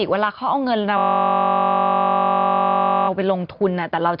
อึกอึกอึก